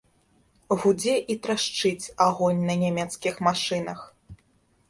Гудзе і трашчыць агонь на нямецкіх машынах.